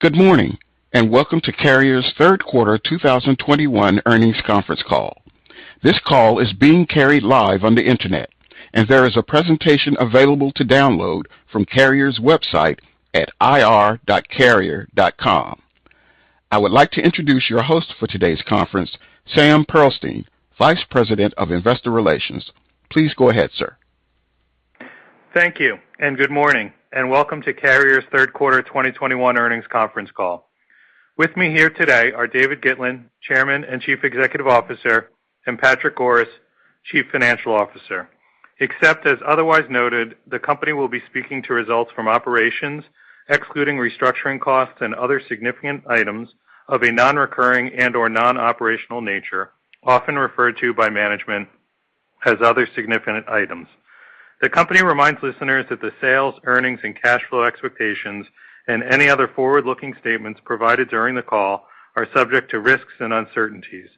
Good morning, and welcome to Carrier's Q3 2021 earnings conference call. This call is being carried live on the Internet, and there is a presentation available to download from Carrier's website at ir.carrier.com. I would like to introduce your host for today's conference, Sam Pearlstein, Vice President of Investor Relations. Please go ahead, sir. Thank you, and good morning, and welcome to Carrier's Q3 2021 earnings conference call. With me here today are David Gitlin, Chairman and Chief Executive Officer, and Patrick Goris, Chief Financial Officer. Except as otherwise noted, the company will be speaking to results from operations excluding restructuring costs and other significant items of a non-recurring and/or non-operational nature, often referred to by management as other significant items. The company reminds listeners that the sales, earnings, and cash flow expectations and any other forward-looking statements provided during the call are subject to risks and uncertainties.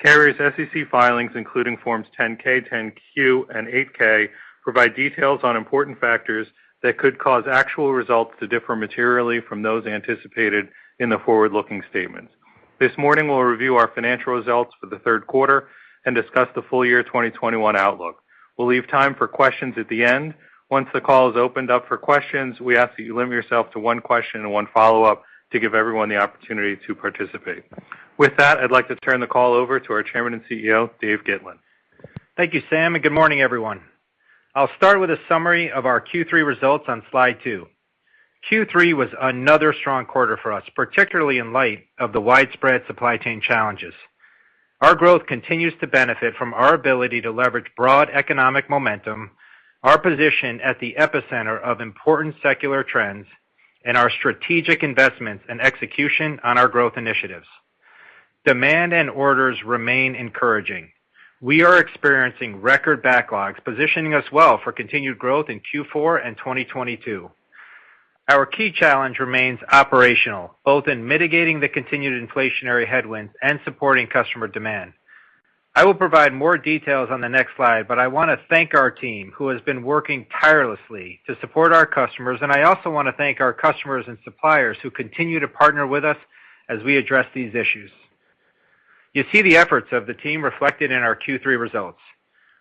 Carrier's SEC filings, including Forms 10-K, 10-Q, and 8-K, provide details on important factors that could cause actual results to differ materially from those anticipated in the forward-looking statements. This morning, we'll review our financial results for the Q3 and discuss the full year 2021 outlook. We'll leave time for questions at the end. Once the call is opened up for questions, we ask that you limit yourself to one question and one follow-up to give everyone the opportunity to participate. With that, I'd like to turn the call over to our Chairman and CEO, Dave Gitlin. Thank you, Sam, and good morning, everyone. I'll start with a summary of our Q3 results on slide two. Q3 was another strong quarter for us, particularly in light of the widespread supply chain challenges. Our growth continues to benefit from our ability to leverage broad economic momentum, our position at the epicenter of important secular trends, and our strategic investments and execution on our growth initiatives. Demand and orders remain encouraging. We are experiencing record backlogs, positioning us well for continued growth in Q4 and 2022. Our key challenge remains operational, both in mitigating the continued inflationary headwinds and supporting customer demand. I will provide more details on the next slide, but I wanna thank our team, who has been working tirelessly to support our customers, and I also wanna thank our customers and suppliers who continue to partner with us as we address these issues. You see the efforts of the team reflected in our Q3 results.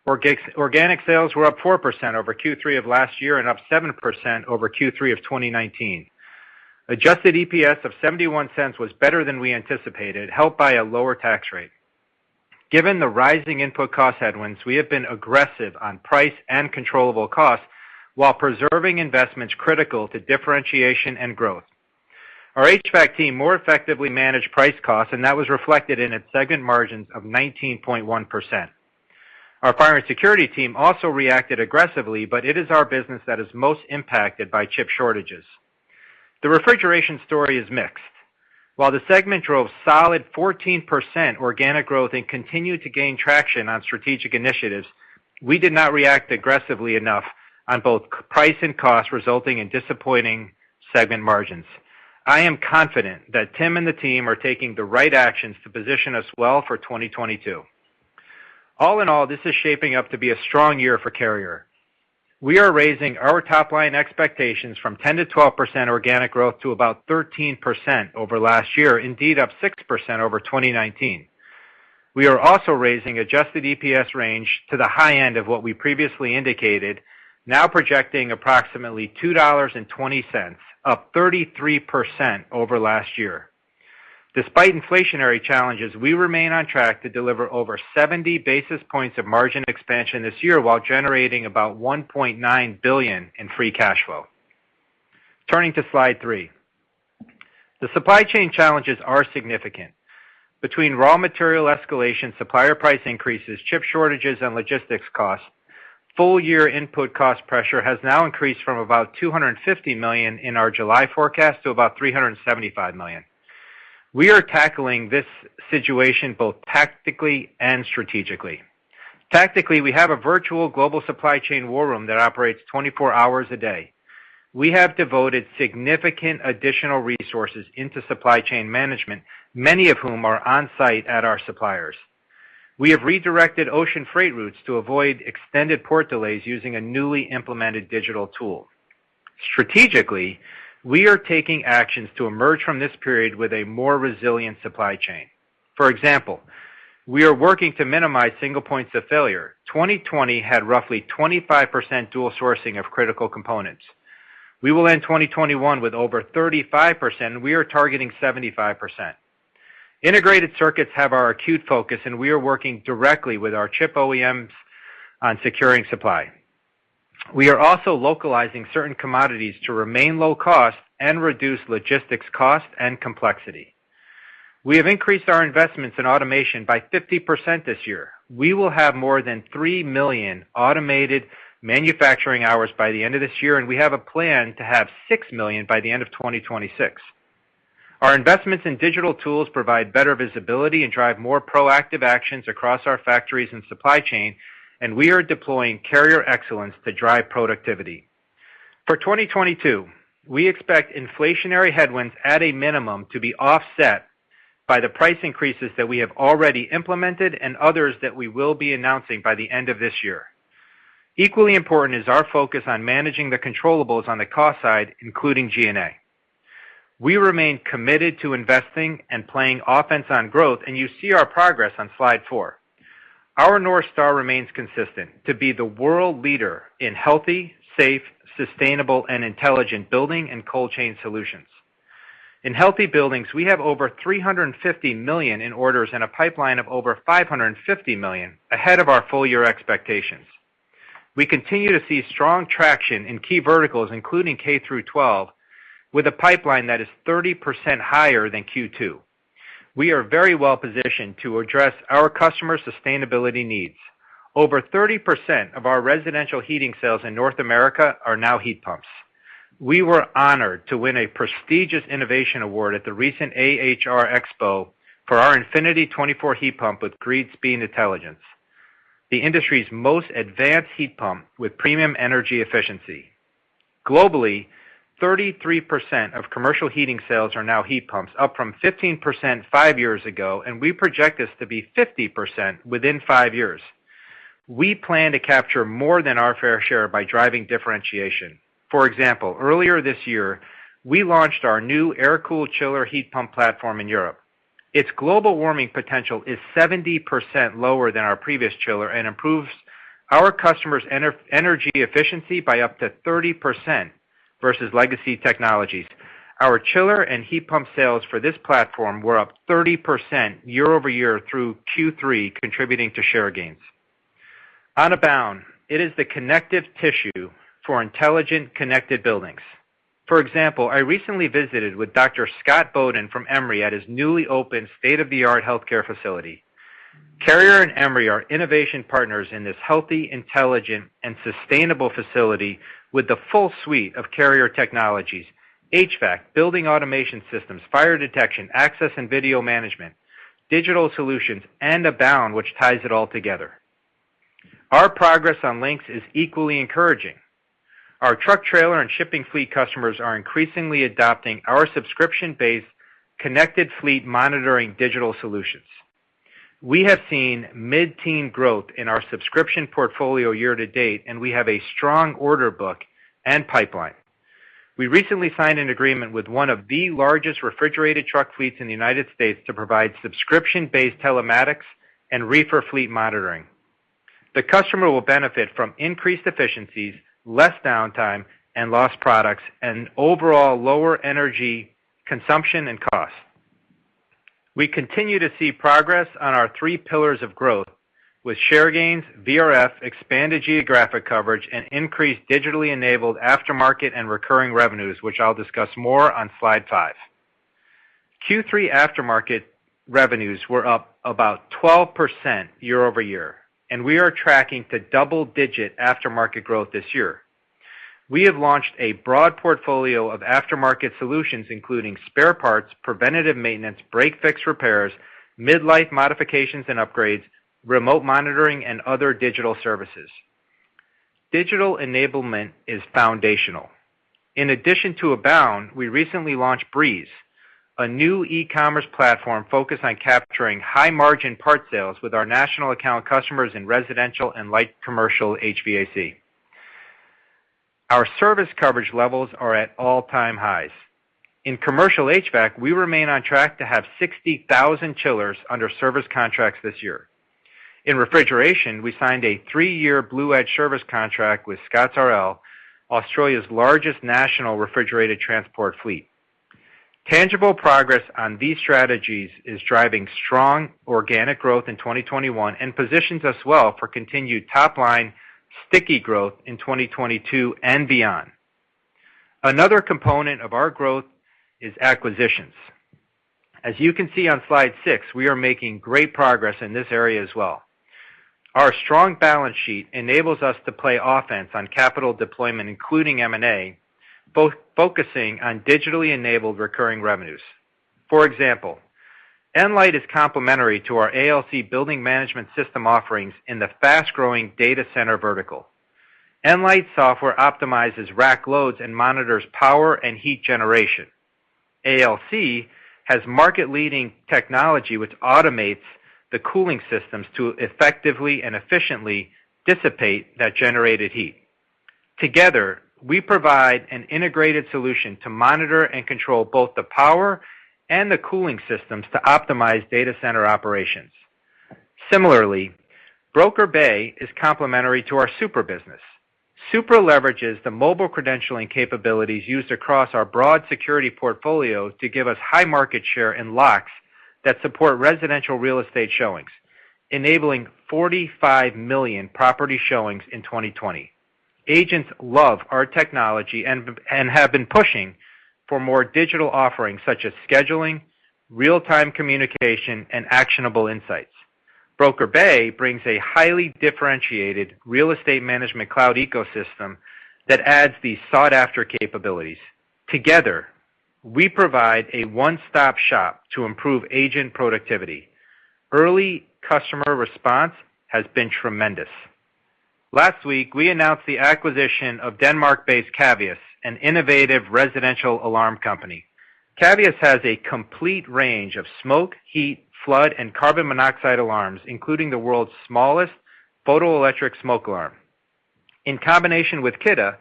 Organic sales were up 4% over Q3 of last year and up 7% over Q3 of 2019. Adjusted EPS of $0.71 was better than we anticipated, helped by a lower tax rate. Given the rising input cost headwinds, we have been aggressive on price and controllable costs while preserving investments critical to differentiation and growth. Our HVAC team more effectively managed price and costs, and that was reflected in its segment margins of 19.1%. Our Fire and Security team also reacted aggressively, but it is our business that is most impacted by chip shortages. The Refrigeration story is mixed. While the segment drove solid 14% organic growth and continued to gain traction on strategic initiatives, we did not react aggressively enough on both price and cost, resulting in disappointing segment margins. I am confident that Tim and the team are taking the right actions to position us well for 2022. All in all, this is shaping up to be a strong year for Carrier. We are raising our top-line expectations from 10%-12% organic growth to about 13% over last year, indeed up 6% over 2019. We are also raising adjusted EPS range to the high end of what we previously indicated, now projecting approximately $2.20, up 33% over last year. Despite inflationary challenges, we remain on track to deliver over 70 basis points of margin expansion this year while generating about $1.9 billion in free cash flow. Turning to slide three. The supply chain challenges are significant. Between raw material escalation, supplier price increases, chip shortages, and logistics costs, full-year input cost pressure has now increased from about $250 million in our July forecast to about $375 million. We are tackling this situation both tactically and strategically. Tactically, we have a virtual global supply chain war room that operates 24 hours a day. We have devoted significant additional resources into supply chain management, many of whom are on-site at our suppliers. We have redirected ocean freight routes to avoid extended port delays using a newly implemented digital tool. Strategically, we are taking actions to emerge from this period with a more resilient supply chain. For example, we are working to minimize single points of failure. 2020 had roughly 25% dual sourcing of critical components. We will end 2021 with over 35%, and we are targeting 75%. Integrated circuits have our acute focus, and we are working directly with our chip OEMs on securing supply. We are also localizing certain commodities to remain low cost and reduce logistics cost and complexity. We have increased our investments in automation by 50% this year. We will have more than 3 million automated manufacturing hours by the end of this year, and we have a plan to have 6 million by the end of 2026. Our investments in digital tools provide better visibility and drive more proactive actions across our factories and supply chain, and we are deploying Carrier Excellence to drive productivity. For 2022, we expect inflationary headwinds at a minimum to be offset by the price increases that we have already implemented and others that we will be announcing by the end of this year. Equally important is our focus on managing the controllables on the cost side, including G&A. We remain committed to investing and playing offense on growth, and you see our progress on slide 4. Our North Star remains consistent to be the world leader in healthy, safe, sustainable, and intelligent building and cold chain solutions. In healthy buildings, we have over $350 million in orders and a pipeline of over $550 million ahead of our full year expectations. We continue to see strong traction in key verticals, including K-12, with a pipeline that is 30% higher than Q2. We are very well positioned to address our customers' sustainability needs. Over 30% of our residential heating sales in North America are now heat pumps. We were honored to win a prestigious innovation award at the recent AHR Expo for our Infinity 24 heat pump with Greenspeed Intelligence, the industry's most advanced heat pump with premium energy efficiency. Globally, 33% of commercial heating sales are now heat pumps, up from 15% five years ago, and we project this to be 50% within five years. We plan to capture more than our fair share by driving differentiation. For example, earlier this year, we launched our new air-cooled chiller heat pump platform in Europe. Its global warming potential is 70% lower than our previous chiller and improves our customers' energy efficiency by up to 30% versus legacy technologies. Our chiller and heat pump sales for this platform were up 30% year-over-year through Q3, contributing to share gains. On Abound, it is the connective tissue for intelligent connected buildings. For example, I recently visited with Dr. Scott Boden from Emory at his newly opened state-of-the-art healthcare facility. Carrier and Emory are innovation partners in this healthy, intelligent, and sustainable facility with the full suite of Carrier technologies, HVAC, building automation systems, fire detection, access and video management, digital solutions, and Abound, which ties it all together. Our progress on Lynx is equally encouraging. Our truck trailer and shipping fleet customers are increasingly adopting our subscription-based connected fleet monitoring digital solutions. We have seen mid-teen growth in our subscription portfolio year to date, and we have a strong order book and pipeline. We recently signed an agreement with one of the largest refrigerated truck fleets in the United States to provide subscription-based telematics and reefer fleet monitoring. The customer will benefit from increased efficiencies, less downtime and lost products, and overall lower energy consumption and cost. We continue to see progress on our 3 pillars of growth with share gains, VRF, expanded geographic coverage, and increased digitally enabled aftermarket and recurring revenues, which I'll discuss more on slide 5. Q3 aftermarket revenues were up about 12% year-over-year, and we are tracking to double-digit aftermarket growth this year. We have launched a broad portfolio of aftermarket solutions, including spare parts, preventative maintenance, break-fix repairs, mid-life modifications and upgrades, remote monitoring, and other digital services. Digital enablement is foundational. In addition to Abound, we recently launched Breeze, a new e-commerce platform focused on capturing high-margin part sales with our national account customers in residential and light commercial HVAC. Our service coverage levels are at all-time highs. In commercial HVAC, we remain on track to have 60,000 chillers under service contracts this year. In refrigeration, we signed a three-year BluEdge service contract with Scott's Refrigerated Logistics, Australia's largest national refrigerated transport fleet. Tangible progress on these strategies is driving strong organic growth in 2021 and positions us well for continued top-line sticky growth in 2022 and beyond. Another component of our growth is acquisitions. As you can see on slide 6, we are making great progress in this area as well. Our strong balance sheet enables us to play offense on capital deployment, including M&A, both focusing on digitally enabled recurring revenues. For example, Nlyte is complementary to our ALC building management system offerings in the fast-growing data center vertical. Nlyte software optimizes rack loads and monitors power and heat generation. ALC has market-leading technology, which automates the cooling systems to effectively and efficiently dissipate that generated heat. Together, we provide an integrated solution to monitor and control both the power and the cooling systems to optimize data center operations. Similarly, BrokerBay is complementary to our Supra business. Supra leverages the mobile credentialing capabilities used across our broad security portfolio to give us high market share and locks that support residential real estate showings, enabling 45 million property showings in 2020. Agents love our technology and have been pushing for more digital offerings such as scheduling, real-time communication, and actionable insights. BrokerBay brings a highly differentiated real estate management cloud ecosystem that adds these sought-after capabilities. Together, we provide a one-stop shop to improve agent productivity. Early customer response has been tremendous. Last week, we announced the acquisition of Denmark-based Cavius, an innovative residential alarm company. Cavius has a complete range of smoke, heat, flood, and carbon monoxide alarms, including the world's smallest photoelectric smoke alarm. In combination with Kidde,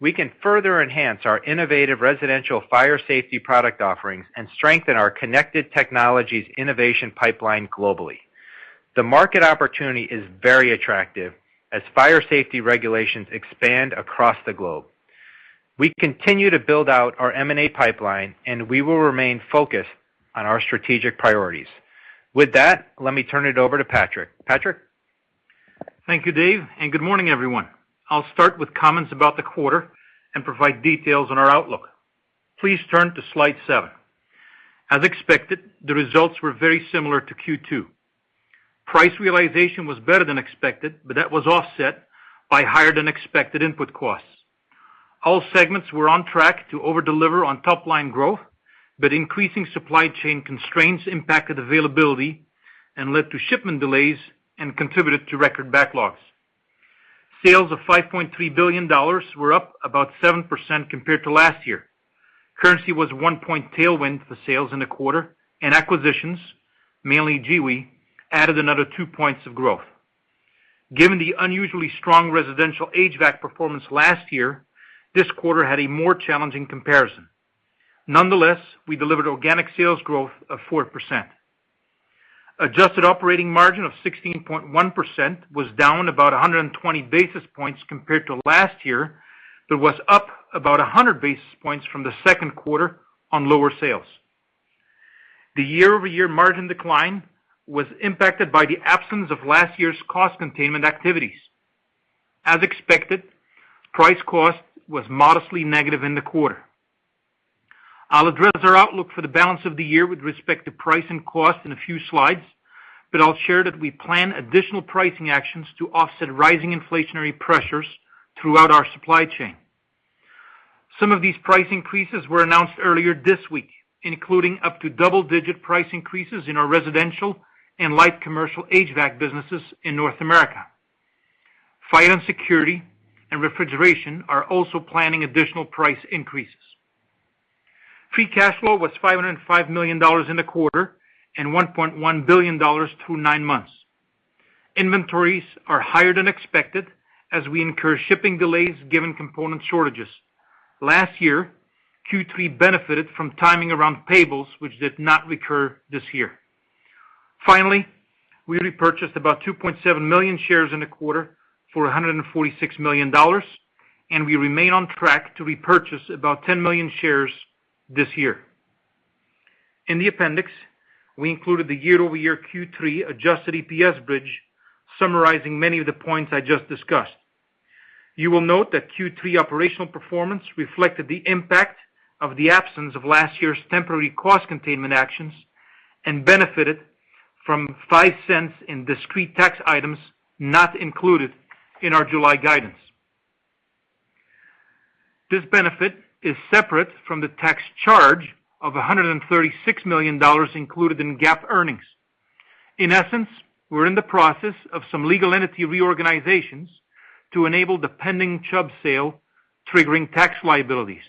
we can further enhance our innovative residential fire safety product offerings and strengthen our connected technologies innovation pipeline globally. The market opportunity is very attractive as fire safety regulations expand across the globe. We continue to build out our M&A pipeline, and we will remain focused on our strategic priorities. With that, let me turn it over to Patrick. Patrick? Thank you, Dave, and good morning, everyone. I'll start with comments about the quarter and provide details on our outlook. Please turn to slide 7. As expected, the results were very similar to Q2. Price realization was better than expected, but that was offset by higher-than-expected input costs. All segments were on track to over-deliver on top-line growth, but increasing supply chain constraints impacted availability and led to shipment delays and contributed to record backlogs. Sales of $5.3 billion were up about 7% compared to last year. Currency was 1-point tailwind to sales in the quarter, and acquisitions, mainly Giwee, added another 2 points of growth. Given the unusually strong residential HVAC performance last year, this quarter had a more challenging comparison. Nonetheless, we delivered organic sales growth of 4%. Adjusted operating margin of 16.1% was down about 120 basis points compared to last year, but was up about 100 basis points from the Q2 on lower sales. The year-over-year margin decline was impacted by the absence of last year's cost containment activities. As expected, price-cost was modestly negative in the quarter. I'll address our outlook for the balance of the year with respect to price and cost in a few slides, but I'll share that we plan additional pricing actions to offset rising inflationary pressures throughout our supply chain. Some of these price increases were announced earlier this week, including up to double-digit price increases in our residential and light commercial HVAC businesses in North America. Fire & Security and refrigeration are also planning additional price increases. Free cash flow was $505 million in the quarter and $1.1 billion through nine months. Inventories are higher than expected as we incur shipping delays given component shortages. Last year, Q3 benefited from timing around payables, which did not recur this year. Finally, we repurchased about 2.7 million shares in the quarter for $146 million, and we remain on track to repurchase about 10 million shares this year. In the appendix, we included the year-over-year Q3 adjusted EPS bridge summarizing many of the points I just discussed. You will note that Q3 operational performance reflected the impact of the absence of last year's temporary cost containment actions and benefited from $0.05 in discrete tax items not included in our July guidance. This benefit is separate from the tax charge of $136 million included in GAAP earnings. In essence, we're in the process of some legal entity reorganizations to enable the pending Chubb sale, triggering tax liabilities.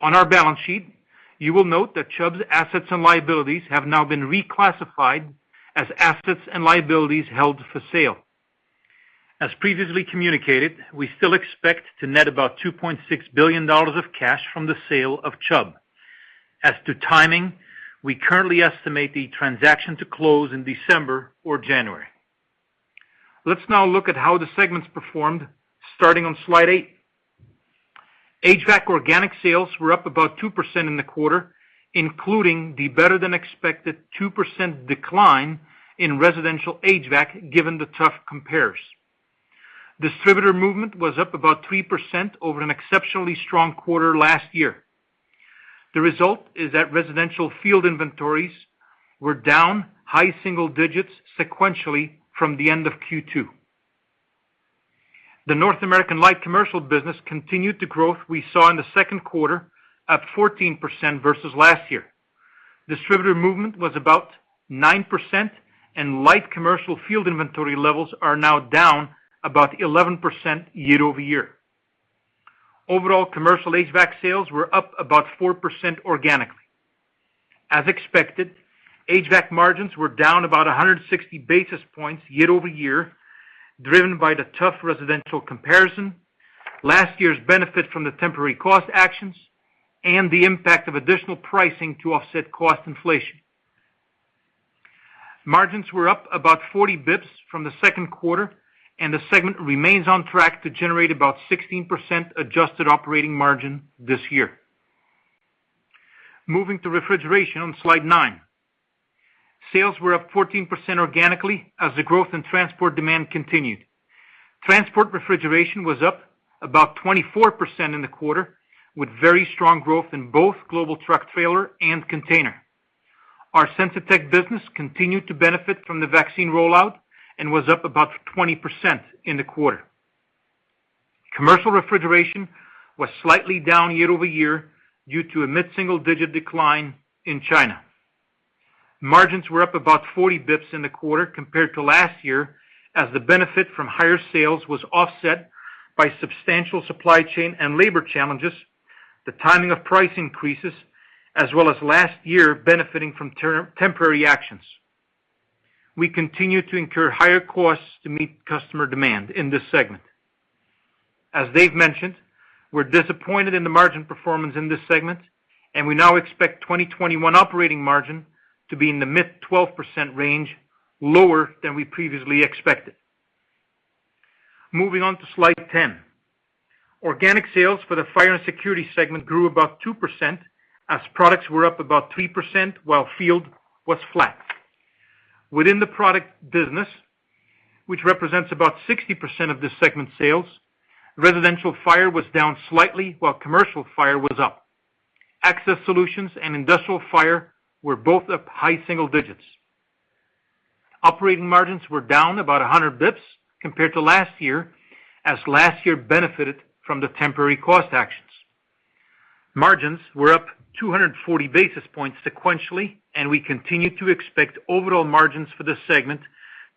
On our balance sheet, you will note that Chubb's assets and liabilities have now been reclassified as assets and liabilities held for sale. As previously communicated, we still expect to net about $2.6 billion of cash from the sale of Chubb. As to timing, we currently estimate the transaction to close in December or January. Let's now look at how the segments performed, starting on slide 8. HVAC organic sales were up about 2% in the quarter, including the better-than-expected 2% decline in residential HVAC, given the tough compares. Distributor movement was up about 3% over an exceptionally strong quarter last year. The result is that residential field inventories were down high single digits sequentially from the end of Q2. The North American light commercial business continued the growth we saw in the Q2 at 14% versus last year. Distributor movement was about 9%, and light commercial field inventory levels are now down about 11% year-over-year. Overall, commercial HVAC sales were up about 4% organically. As expected, HVAC margins were down about 160 basis points year-over-year, driven by the tough residential comparison, last year's benefit from the temporary cost actions, and the impact of additional pricing to offset cost inflation. Margins were up about 40 basis points from the Q2, and the segment remains on track to generate about 16% adjusted operating margin this year. Moving to refrigeration on slide 9. Sales were up 14% organically as the growth in transport demand continued. Transport refrigeration was up about 24% in the quarter, with very strong growth in both global truck trailer and container. Our Sensitech business continued to benefit from the vaccine rollout and was up about 20% in the quarter. Commercial refrigeration was slightly down year-over-year due to a mid-single-digit decline in China. Margins were up about 40 bps in the quarter compared to last year, as the benefit from higher sales was offset by substantial supply chain and labor challenges, the timing of price increases, as well as last year benefiting from temporary actions. We continue to incur higher costs to meet customer demand in this segment. As Dave mentioned, we're disappointed in the margin performance in this segment, and we now expect 2021 operating margin to be in the mid-12% range, lower than we previously expected. Moving on to slide 10. Organic sales for the fire and security segment grew about 2% as products were up about 3%, while field was flat. Within the product business, which represents about 60% of the segment sales, residential fire was down slightly while commercial fire was up. Access solutions and industrial fire were both up high single digits. Operating margins were down about 100 basis points compared to last year, as last year benefited from the temporary cost actions. Margins were up 240 basis points sequentially, and we continue to expect overall margins for this segment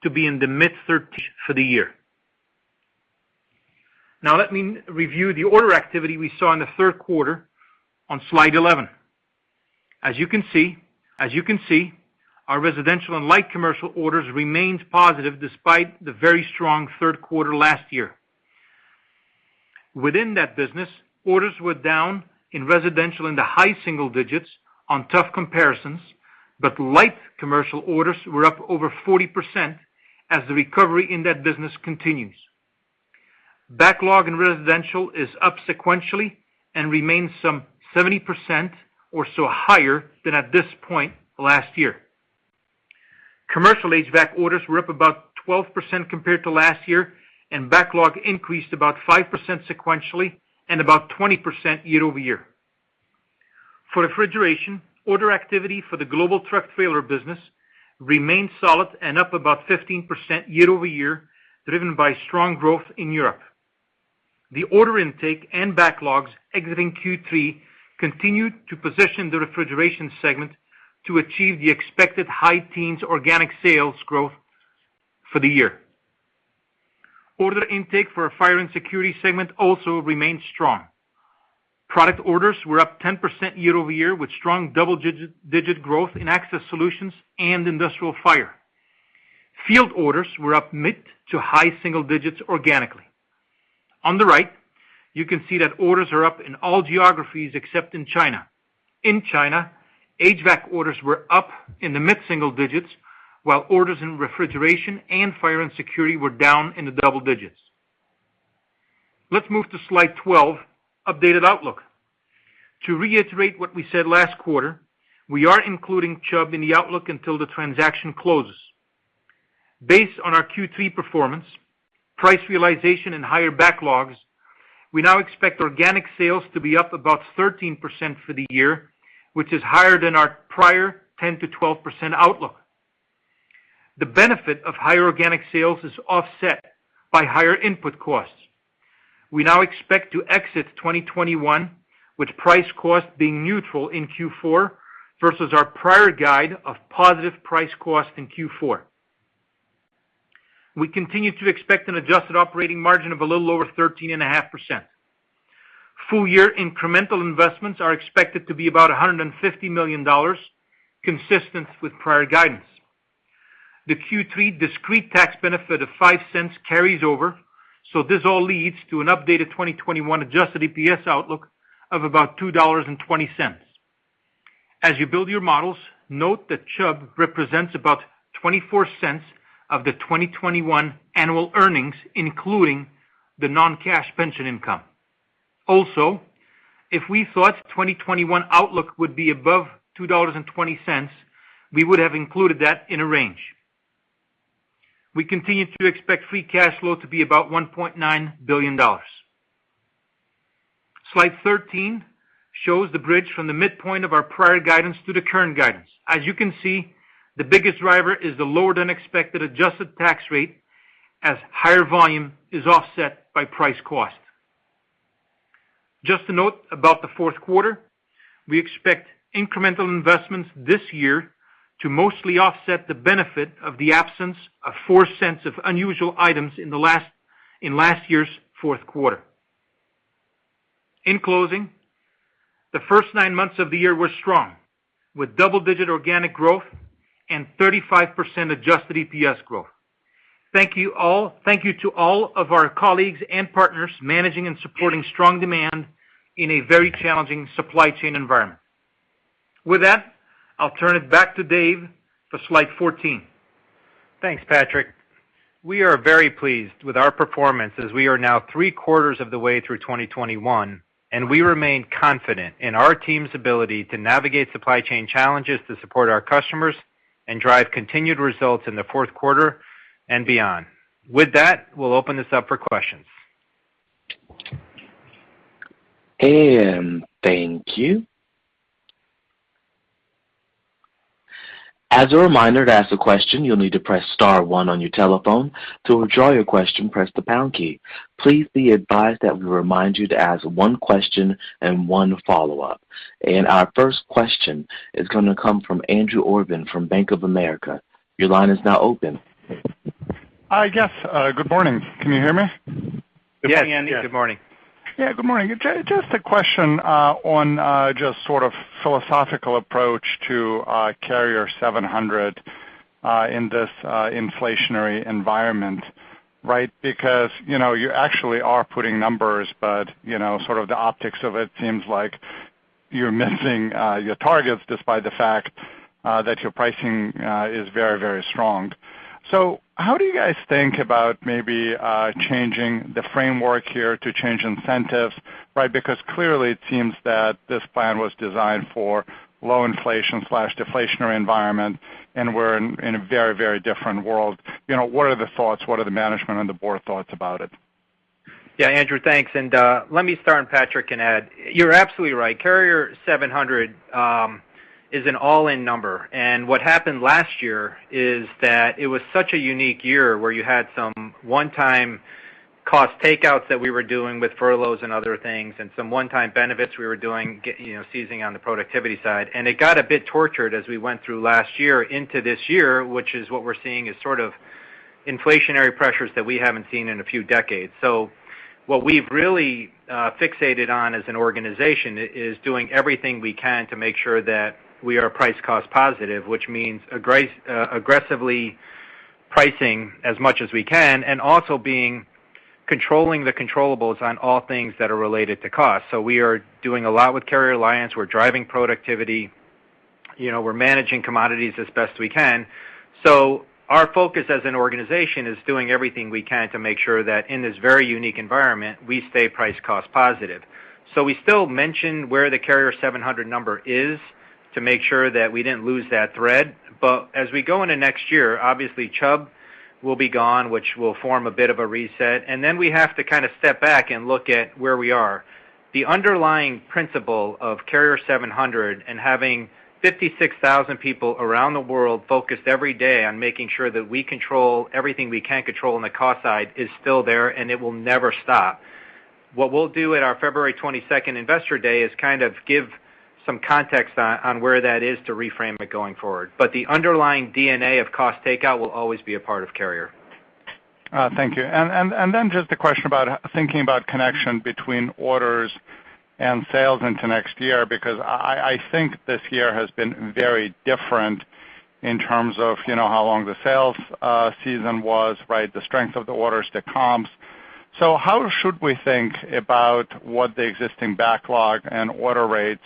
to be in the mid-30s for the year. Now, let me review the order activity we saw in the Q3 on slide 11. As you can see, our residential and light commercial orders remains positive despite the very strong Q3 last year. Within that business, orders were down in residential in the high single digits on tough comparisons, but light commercial orders were up over 40% as the recovery in that business continues. Backlog in residential is up sequentially and remains some 70% or so higher than at this point last year. Commercial HVAC orders were up about 12% compared to last year, and backlog increased about 5% sequentially and about 20% year-over-year. For refrigeration, order activity for the global truck trailer business remained solid and up about 15% year-over-year, driven by strong growth in Europe. The order intake and backlogs exiting Q3 continued to position the refrigeration segment to achieve the expected high-teens % organic sales growth for the year. Order intake for our fire and security segment also remained strong. Product orders were up 10% year-over-year, with strong double-digit % growth in access solutions and industrial fire. Field orders were up mid- to high-single-digit % organically. On the right, you can see that orders are up in all geographies except in China. In China, HVAC orders were up in the mid-single-digit %, while orders in refrigeration and fire and security were down in the double-digit %. Let's move to slide 12, updated outlook. To reiterate what we said last quarter, we are including Chubb in the outlook until the transaction closes. Based on our Q3 performance, price realization and higher backlogs, we now expect organic sales to be up about 13% for the year, which is higher than our prior 10%-12% outlook. The benefit of higher organic sales is offset by higher input costs. We now expect to exit 2021 with price cost being neutral in Q4 versus our prior guide of positive price cost in Q4. We continue to expect an adjusted operating margin of a little over 13.5%. Full year incremental investments are expected to be about $150 million, consistent with prior guidance. The Q3 discrete tax benefit of $0.05 carries over, so this all leads to an updated 2021 adjusted EPS outlook of about $2.20. As you build your models, note that Chubb represents about $0.24 of the 2021 annual earnings, including the non-cash pension income. Also, if we thought 2021 outlook would be above $2.20, we would have included that in a range. We continue to expect free cash flow to be about $1.9 billion. Slide 13 shows the bridge from the midpoint of our prior guidance to the current guidance. As you can see, the biggest driver is the lower than expected adjusted tax rate as higher volume is offset by price cost. Just a note about the Q4. We expect incremental investments this year to mostly offset the benefit of the absence of $0.04 of unusual items in last year's Q4. In closing, the first nine months of the year were strong, with double-digit organic growth and 35% adjusted EPS growth. Thank you all. Thank you to all of our colleagues and partners managing and supporting strong demand in a very challenging supply chain environment. With that, I'll turn it back to Dave for slide 14. Thanks, Patrick. We are very pleased with our performance as we are now three-quarters of the way through 2021, and we remain confident in our team's ability to navigate supply chain challenges to support our customers and drive continued results in the fourth quarter and beyond. With that, we'll open this up for questions. Thank you. As a reminder, to ask a question, you'll need to press star one on your telephone. To withdraw your question, press the pound key. Please be advised that we remind you to ask one question and one follow-up. Our first question is gonna come from Andrew Obin from Bank of America. Your line is now open. I guess. Good morning. Can you hear me? Yes. Good morning. Yeah. Good morning. Just a question on just sort of philosophical approach to Carrier 700 in this inflationary environment, right? Because you know, you actually are putting numbers, but you know, sort of the optics of it seems like you're missing your targets despite the fact that your pricing is very, very strong. So how do you guys think about maybe changing the framework here to change incentives, right? Because clearly it seems that this plan was designed for low inflation/deflationary environment, and we're in a very, very different world. You know, what are the thoughts? What are the management and the board thoughts about it? Yeah, Andrew, thanks. Let me start, and Patrick can add. You're absolutely right. Carrier 700 is an all-in number. What happened last year is that it was such a unique year where you had some one-time cost takeouts that we were doing with furloughs and other things, and some one-time benefits we were doing, you know, seizing on the productivity side. It got a bit tortured as we went through last year into this year, which is what we're seeing, sort of inflationary pressures that we haven't seen in a few decades. What we've really fixated on as an organization is doing everything we can to make sure that we are price cost positive, which means aggressively pricing as much as we can and also controlling the controllables on all things that are related to cost. We are doing a lot with Carrier Alliance. We're driving productivity. You know, we're managing commodities as best we can. Our focus as an organization is doing everything we can to make sure that in this very unique environment, we stay price cost positive. We still mention where the Carrier 700 number is to make sure that we didn't lose that thread. As we go into next year, obviously Chubb will be gone, which will form a bit of a reset. Then we have to kind of step back and look at where we are. The underlying principle of Carrier 700 and having 56,000 people around the world focused every day on making sure that we control everything we can control on the cost side is still there, and it will never stop. What we'll do at our February twenty-second Investor Day is kind of give some context on where that is to reframe it going forward. The underlying DNA of cost takeout will always be a part of Carrier. Thank you. Then just a question about thinking about connection between orders and sales into next year, because I think this year has been very different in terms of, you know, how long the sales season was, right, the strength of the orders to comps. How should we think about what the existing backlog and order rates,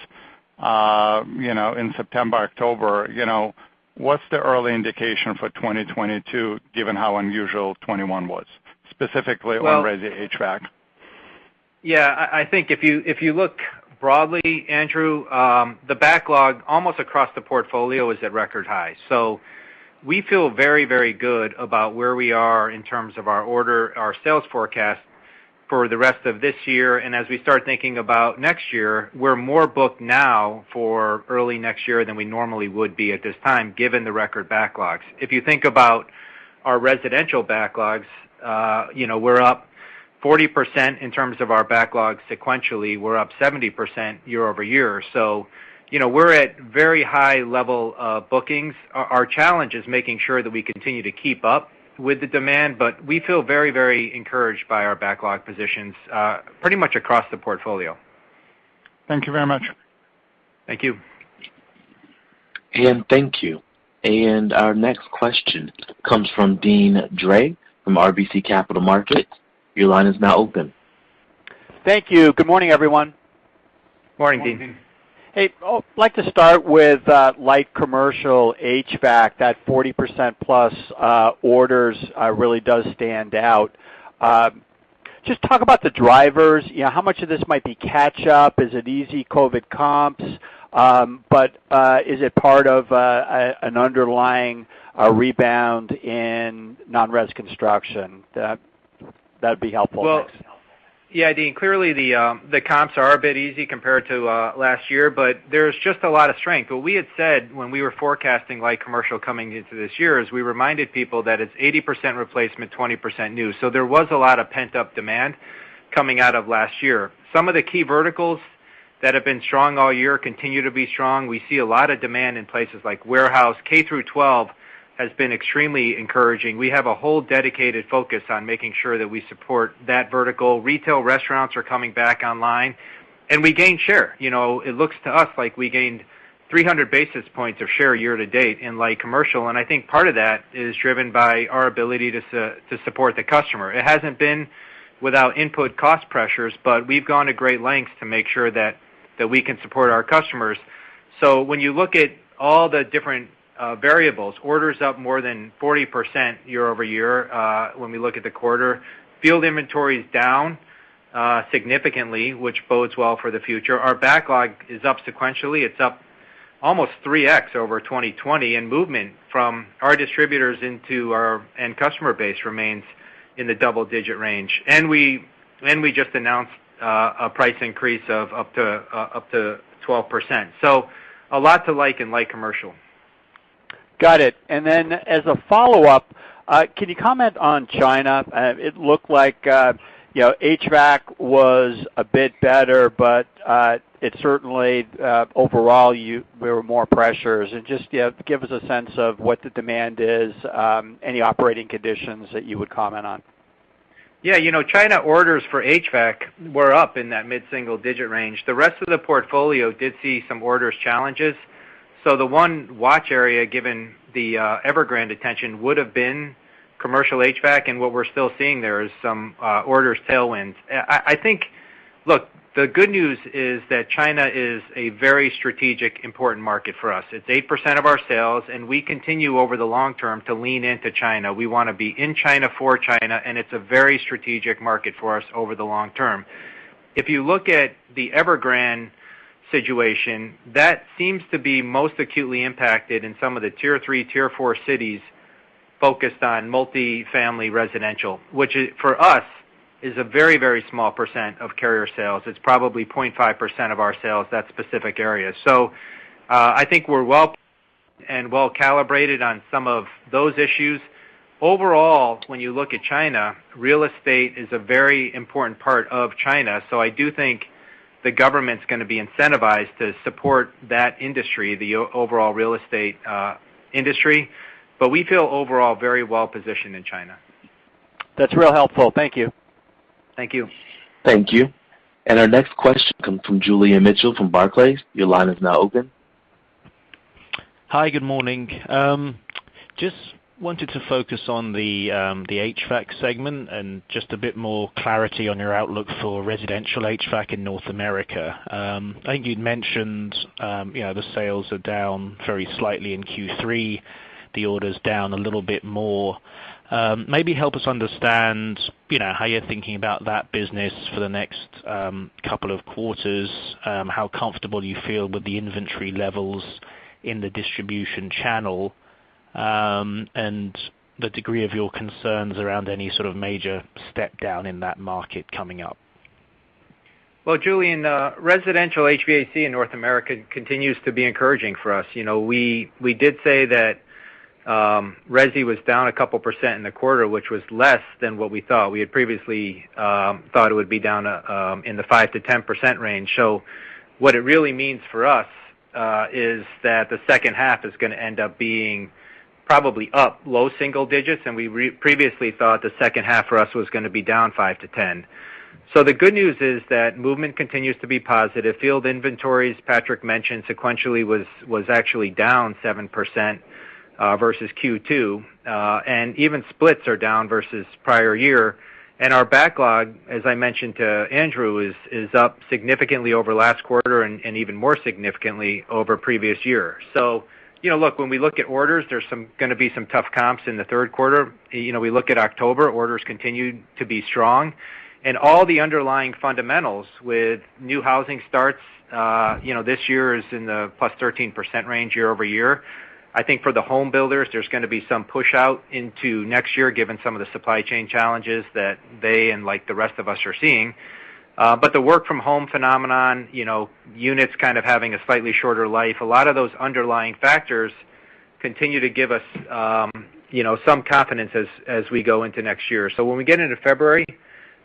you know, in September, October, you know, what's the early indication for 2022, given how unusual 2021 was, specifically on res HVAC? Yeah. I think if you look broadly, Andrew, the backlog almost across the portfolio is at record high. We feel very, very good about where we are in terms of our order, our sales forecast for the rest of this year. As we start thinking about next year, we're more booked now for early next year than we normally would be at this time, given the record backlogs. If you think about our residential backlogs, you know, we're up 40% in terms of our backlogs sequentially. We're up 70% year-over-year. You know, we're at very high level of bookings. Our challenge is making sure that we continue to keep up with the demand, but we feel very, very encouraged by our backlog positions, pretty much across the portfolio. Thank you very much. Thank you. Thank you. Our next question comes from Deane Dray from RBC Capital Markets. Your line is now open. Thank you. Good morning, everyone. Morning, Deane. Hey. I'd like to start with light commercial HVAC, that 40%+ orders really does stand out. Just talk about the drivers. You know, how much of this might be catch up? Is it easy COVID comps? Is it part of an underlying rebound in non-res construction? That'd be helpful. Well, yeah, Dean, clearly the comps are a bit easy compared to last year, but there's just a lot of strength. What we had said when we were forecasting light commercial coming into this year is we reminded people that it's 80% replacement, 20% new. There was a lot of pent-up demand coming out of last year. Some of the key verticals that have been strong all year continue to be strong. We see a lot of demand in places like warehouse. K-12 has been extremely encouraging. We have a whole dedicated focus on making sure that we support that vertical. Retail restaurants are coming back online, and we gained share. You know, it looks to us like we gained 300 basis points of share year to date in light commercial, and I think part of that is driven by our ability to support the customer. It hasn't been without input cost pressures, but we've gone to great lengths to make sure that we can support our customers. When you look at all the different variables, orders up more than 40% year-over-year when we look at the quarter. Field inventory is down significantly, which bodes well for the future. Our backlog is up sequentially. It's up almost 3x over 2020, and movement from our distributors into our end customer base remains in the double-digit range. We just announced a price increase of up to 12%. A lot to like in light commercial. Got it. Then as a follow-up, can you comment on China? It looked like, you know, HVAC was a bit better, but it certainly overall there were more pressures. Just give us a sense of what the demand is, any operating conditions that you would comment on. Yeah. You know, China orders for HVAC were up in that mid-single-digit range. The rest of the portfolio did see some orders challenges. The one watch area, given the Evergrande attention, would have been commercial HVAC. What we're still seeing there is some orders tailwinds. I think. Look, the good news is that China is a very strategic, important market for us. It's 8% of our sales, and we continue over the long term to lean into China. We wanna be in China for China, and it's a very strategic market for us over the long term. If you look at the Evergrande situation, that seems to be most acutely impacted in some of the tier 3, tier 4 cities focused on multifamily residential, which, for us, is a very, very small percent of Carrier sales. It's probably 0.5% of our sales, that specific area. I think we're well-calibrated on some of those issues. Overall, when you look at China, real estate is a very important part of China, so I do think the government's gonna be incentivized to support that industry, the overall real estate industry. We feel overall very well-positioned in China. That's real helpful. Thank you. Thank you. Thank you. Our next question comes from Julian Mitchell from Barclays. Your line is now open. Hi, good morning. Just wanted to focus on the HVAC segment and just a bit more clarity on your outlook for residential HVAC in North America. I think you'd mentioned, you know, the sales are down very slightly in Q3, the orders down a little bit more. Maybe help us understand, you know, how you're thinking about that business for the next couple of quarters, how comfortable you feel with the inventory levels in the distribution channel, and the degree of your concerns around any sort of major step down in that market coming up? Well, Julian, residential HVAC in North America continues to be encouraging for us. You know, we did say that resi was down a couple percent in the quarter, which was less than what we thought. We had previously thought it would be down in the 5%-10% range. What it really means for us is that the second half is gonna end up being probably up low single digits, and we previously thought the second half for us was gonna be down 5%-10%. The good news is that movement continues to be positive. Field inventories, Patrick mentioned, sequentially was actually down 7% versus Q2. Even splits are down versus prior year. Our backlog, as I mentioned to Andrew, is up significantly over last quarter and even more significantly over previous year. When we look at orders, there's gonna be some tough comps in the Q3. We look at October, orders continued to be strong. All the underlying fundamentals with new housing starts, this year is in the plus 13% range year-over-year. I think for the home builders, there's gonna be some push out into next year given some of the supply chain challenges that they and like the rest of us are seeing. The work from home phenomenon, units kind of having a slightly shorter life, a lot of those underlying factors continue to give us some confidence as we go into next year. When we get into February,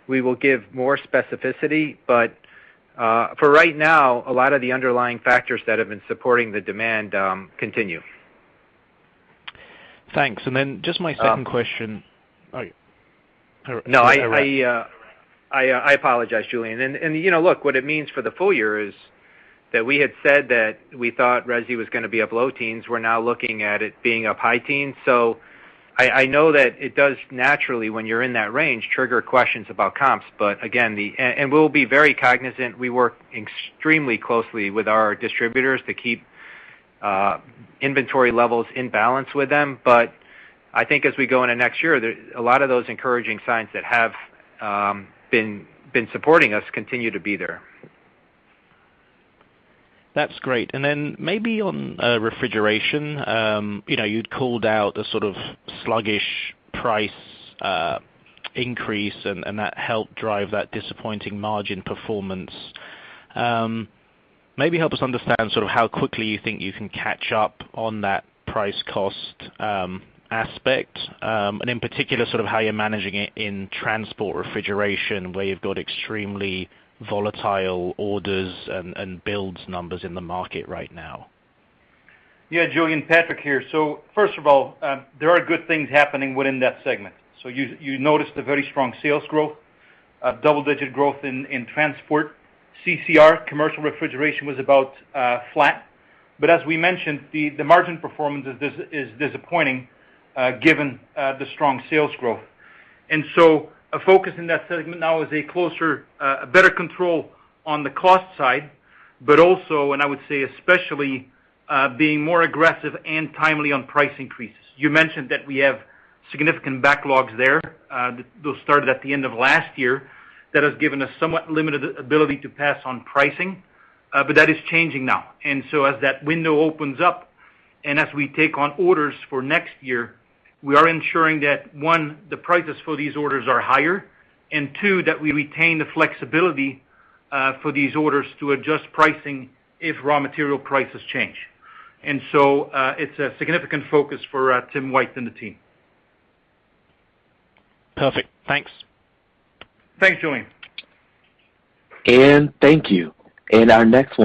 we will give more specificity. For right now, a lot of the underlying factors that have been supporting the demand continue. Thanks. Just my second question. Oh, all right. No, I apologize, Julian. You know, look, what it means for the full year is that we had said that we thought resi was gonna be up low teens%. We're now looking at it being up high teens%. I know that it does naturally, when you're in that range, trigger questions about comps. Again, we'll be very cognizant. We work extremely closely with our distributors to keep inventory levels in balance with them. I think as we go into next year, a lot of those encouraging signs that have been supporting us continue to be there. That's great. Maybe on refrigeration, you know, you'd called out the sort of sluggish price increase and that helped drive that disappointing margin performance. Maybe help us understand sort of how quickly you think you can catch up on that price cost aspect. In particular, sort of how you're managing it in transport refrigeration, where you've got extremely volatile orders and builds numbers in the market right now. Yeah, Julian, Patrick here. First of all, there are good things happening within that segment. You noticed the very strong sales growth, double-digit growth in transport. CCR, commercial refrigeration, was about flat. As we mentioned, the margin performance is disappointing, given the strong sales growth. A focus in that segment now is a closer, a better control on the cost side, but also, and I would say especially, being more aggressive and timely on price increases. You mentioned that we have significant backlogs there, those started at the end of last year, that has given us somewhat limited ability to pass on pricing, but that is changing now. As that window opens up and as we take on orders for next year, we are ensuring that, one, the prices for these orders are higher, and two, that we retain the flexibility for these orders to adjust pricing if raw material prices change. It's a significant focus for Tim White and the team. Perfect. Thanks. Thanks, Julian. Thank you. Our next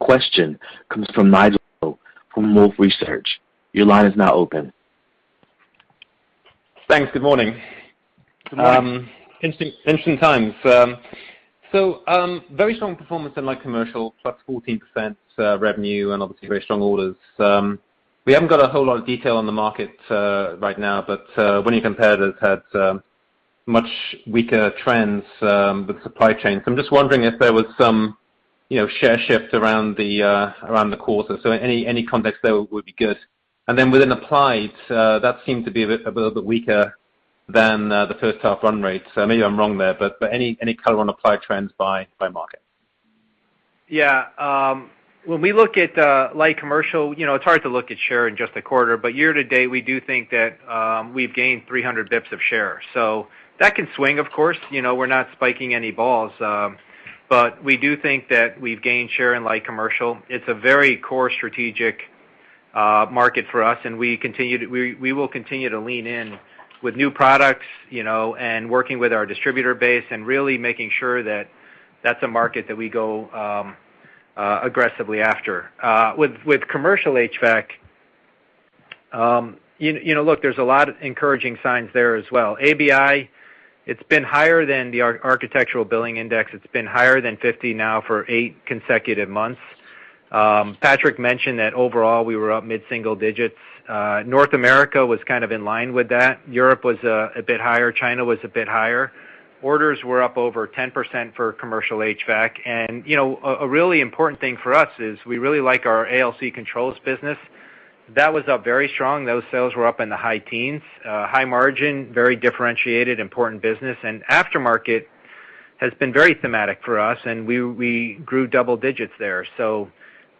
question comes from Nigel from Wolfe Research. Your line is now open. Thanks. Good morning. Good morning. Interesting times. Very strong performance in, like, commercial, +14% revenue and obviously very strong orders. We haven't got a whole lot of detail on the market right now, but when you compare that to what had much weaker trends with supply chain. I'm just wondering if there was some, you know, share shift around the quarter. Any context there would be good. Then within Applied, that seemed to be a bit, a little bit weaker than the first half run rate. Maybe I'm wrong there, but any color on Applied trends by market? Yeah. When we look at light commercial, you know, it's hard to look at share in just a quarter. Year to date, we do think that we've gained 300 bps of share. That can swing, of course. You know, we're not spiking the ball. But we do think that we've gained share in light commercial. It's a very core strategic market for us, and we will continue to lean in with new products, you know, and working with our distributor base and really making sure that that's a market that we go aggressively after. With commercial HVAC, you know, look, there's a lot of encouraging signs there as well. ABI, it's been higher than the Architectural Billings Index. It's been higher than 50 now for 8 consecutive months. Patrick mentioned that overall, we were up mid-single digits. North America was kind of in line with that. Europe was a bit higher. China was a bit higher. Orders were up over 10% for commercial HVAC. You know, a really important thing for us is we really like our ALC controls business. That was up very strong. Those sales were up in the high teens, high margin, very differentiated, important business. Aftermarket has been very thematic for us, and we grew double digits there.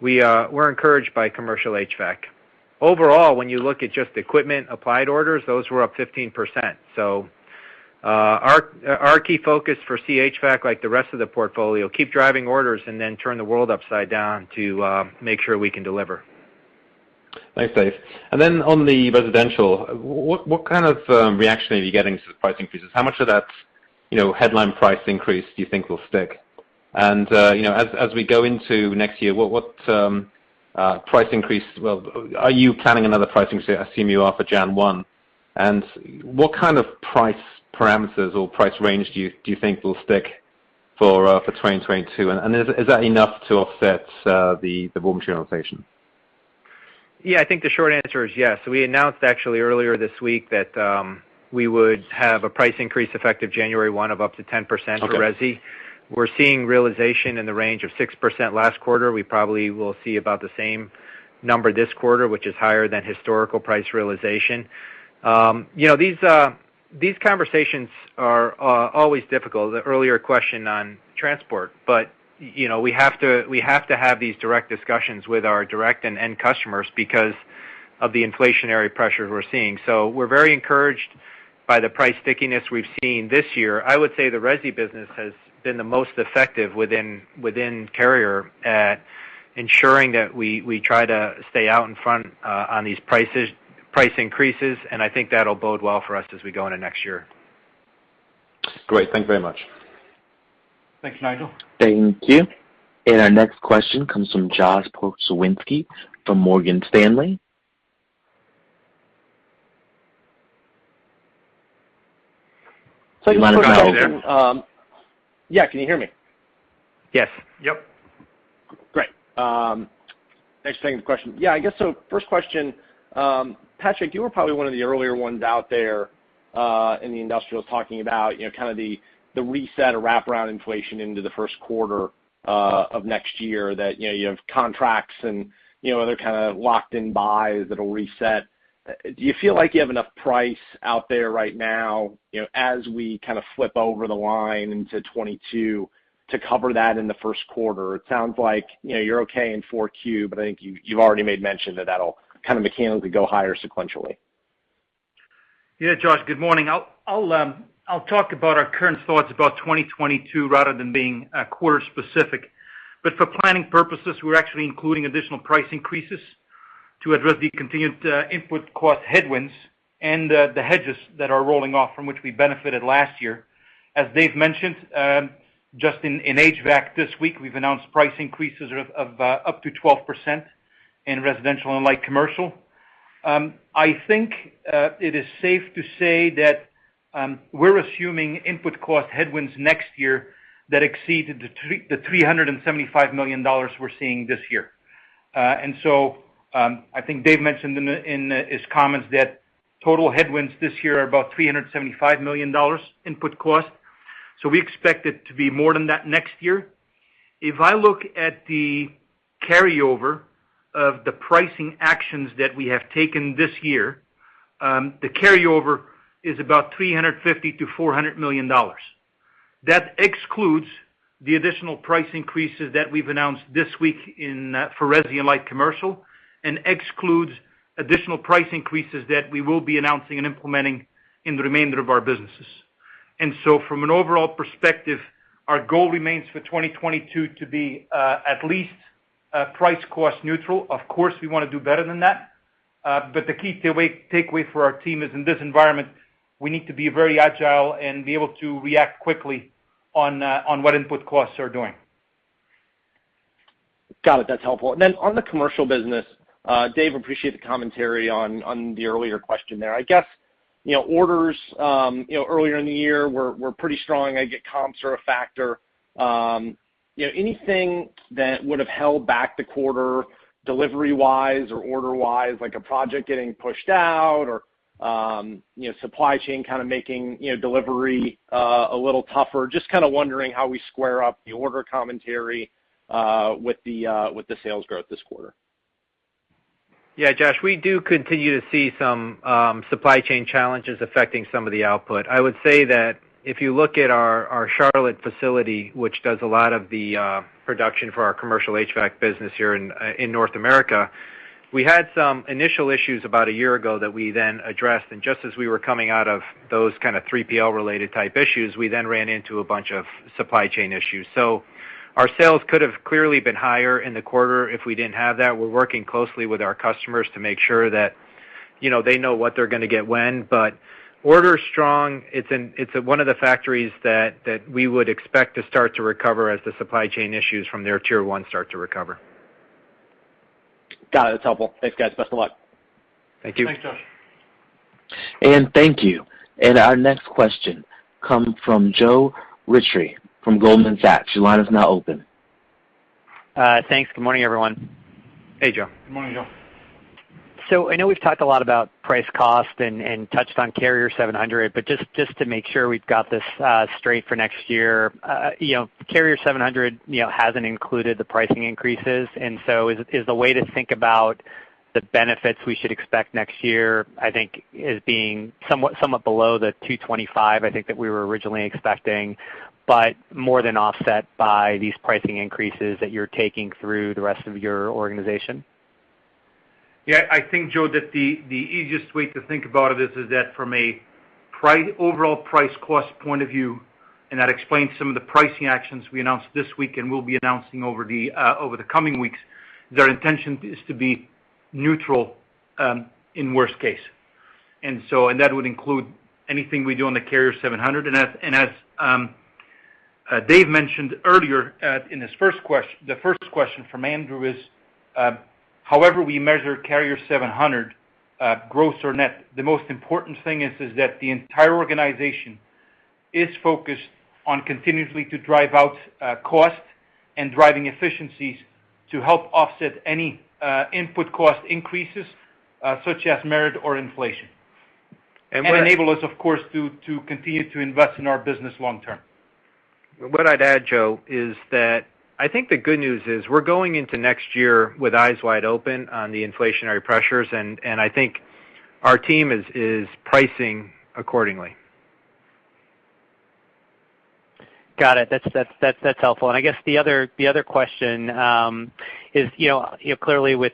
We're encouraged by commercial HVAC. Overall, when you look at just equipment applied orders, those were up 15%. Our key focus for CH HVAC, like the rest of the portfolio, keep driving orders and then turn the world upside down to make sure we can deliver. Thanks, Dave. On the residential, what kind of reaction are you getting to the price increases? How much of that, you know, headline price increase do you think will stick? You know, as we go into next year, what price increase? Well, are you planning another price increase? I assume you are for January 1. What kind of price parameters or price range do you think will stick for 2022? Is that enough to offset the raw material inflation? Yeah, I think the short answer is yes. We announced actually earlier this week that we would have a price increase effective January 1 of up to 10% for resi. Okay. We're seeing realization in the range of 6% last quarter. We probably will see about the same number this quarter, which is higher than historical price realization. You know, these conversations are always difficult, the earlier question on transport. You know, we have to have these direct discussions with our direct and end customers because of the inflationary pressure we're seeing. We're very encouraged by the price stickiness we've seen this year. I would say the resi business has been the most effective within Carrier at ensuring that we try to stay out in front on these prices, price increases, and I think that'll bode well for us as we go into next year. Great. Thank you very much. Thank you, Nigel. Thank you. Our next question comes from Josh Pokrzywinski from Morgan Stanley. Your line is now open. Yeah, can you hear me? Yes. Yep. Great. Thanks for taking the question. Yeah, I guess. So first question, Patrick, you were probably one of the earlier ones out there in the industrials talking about, you know, kind of the reset of wraparound inflation into the Q1 of next year, that, you know, you have contracts and, you know, other kinds of locked in buys that'll reset. Do you feel like you have enough price out there right now, you know, as we kind of flip over the line into 2022, to cover that in the Q1? It sounds like, you know, you're okay in Q4, but I think you've already made mention that that'll kind of mechanically go higher sequentially. Yeah. Josh, good morning. I'll talk about our current thoughts about 2022 rather than being quarter-specific. For planning purposes, we're actually including additional price increases to address the continued input cost headwinds and the hedges that are rolling off, from which we benefited last year. As Dave mentioned, just in HVAC this week, we've announced price increases of up to 12% in residential and light commercial. I think it is safe to say that we're assuming input cost headwinds next year that exceeded the $375 million we're seeing this year. I think Dave mentioned in his comments that total headwinds this year are about $375 million input costS. We expect it to be more than that next year. If I look at the carryover of the pricing actions that we have taken this year, the carryover is about $350 million-$400 million. That excludes the additional price increases that we've announced this week in, for resi and light commercial, and excludes additional price increases that we will be announcing and implementing in the remainder of our businesses. From an overall perspective, our goal remains for 2022 to be at least price cost neutral. Of course, we wanna do better than that. The key takeaway for our team is in this environment, we need to be very agile and be able to react quickly on what input costs are doing. Got it. That's helpful. Then on the commercial business, Dave, appreciate the commentary on the earlier question there. I guess orders earlier in the year were pretty strong. I get comps are a factor. Anything that would have held back the quarter delivery-wise or order-wise, like a project getting pushed out or supply chain kind of making delivery a little tougher? Just kind of wondering how we square up the order commentary with the sales growth this quarter. Yeah. Josh, we do continue to see some supply chain challenges affecting some of the output. I would say that if you look at our Charlotte facility, which does a lot of the production for our commercial HVAC business here in North America, we had some initial issues about a year ago that we then addressed. Just as we were coming out of those kind of 3PL related type issues, we then ran into a bunch of supply chain issues. Our sales could have clearly been higher in the quarter if we didn't have that. We're working closely with our customers to make sure that, you know, they know what they're gonna get when. Order is strong. It's one of the factories that we would expect to start to recover as the supply chain issues from their tier one start to recover. Got it. That's helpful. Thanks, guys. Best of luck. Thank you. Thanks, Josh. Thank you. Our next question comes from Joe Ritchie from Goldman Sachs. Your line is now open. Thanks. Good morning, everyone. Hey, Joe. Good morning, Joe. I know we've talked a lot about price cost and touched on Carrier 700, but just to make sure we've got this straight for next year, you know, Carrier 700 hasn't included the pricing increases. Is the way to think about the benefits we should expect next year, I think is being somewhat below the $225 that we were originally expecting, but more than offset by these pricing increases that you're taking through the rest of your organization. Yeah. I think, Joe, that the easiest way to think about it is that from a overall price cost point of view, and that explains some of the pricing actions we announced this week and we'll be announcing over the coming weeks. Their intention is to be neutral in worst case. That would include anything we do on the Carrier 700. As Dave mentioned earlier in the first question from Andrew, however we measure Carrier 700, gross or net, the most important thing is that the entire organization is focused on continuously to drive out cost and driving efficiencies to help offset any input cost increases, such as merit or inflation. Enable us, of course, to continue to invest in our business long term. What I'd add, Joe, is that I think the good news is we're going into next year with eyes wide open on the inflationary pressures, and I think our team is pricing accordingly. Got it. That's helpful. I guess the question, you know, clearly with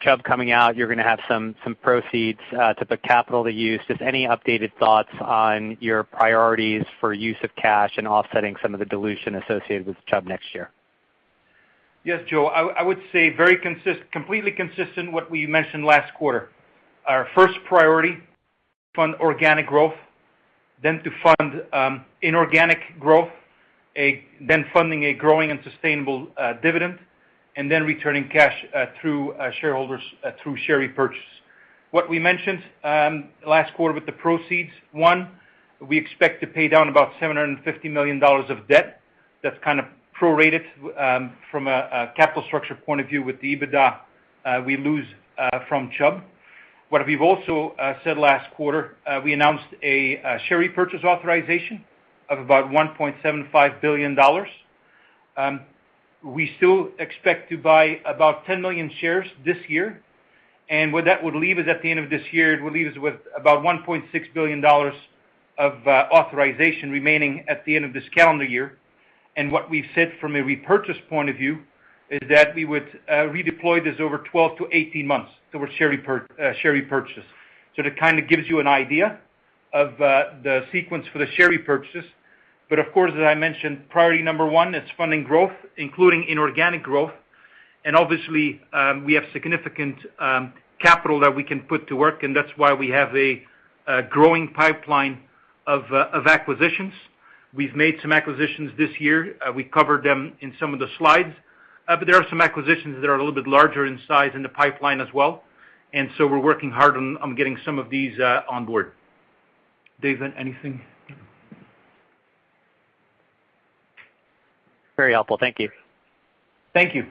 Chubb coming out, you're gonna have some proceeds to put capital to use. Just any updated thoughts on your priorities for use of cash and offsetting some of the dilution associated with Chubb next year? Yes, Joe. I would say completely consistent with what we mentioned last quarter. Our first priority, fund organic growth, then to fund inorganic growth, then funding a growing and sustainable dividend, and then returning cash to shareholders through share repurchase. What we mentioned last quarter with the proceeds, one, we expect to pay down about $750 million of debt. That's kind of prorated from a capital structure point of view with the EBITDA we lose from Chubb. What we've also said last quarter, we announced a share repurchase authorization of about $1.75 billion. We still expect to buy about 10 million shares this year. What that would leave us at the end of this year, it will leave us with about $1.6 billion of authorization remaining at the end of this calendar year. What we've said from a repurchase point of view is that we would redeploy this over 12-18 months towards share repurchase. That kind of gives you an idea of the sequence for the share repurchases. Of course, as I mentioned, priority number one is funding growth, including inorganic growth. Obviously, we have significant capital that we can put to work, and that's why we have a growing pipeline of acquisitions. We've made some acquisitions this year. We covered them in some of the slides. There are some acquisitions that are a little bit larger in size in the pipeline as well. We're working hard on getting some of these on board. Dave, anything? Very helpful. Thank you. Thank you.